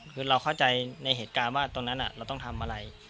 คือเราเข้าใจในเหตุการณ์ว่าตรงนั้นเราต้องทำอะไร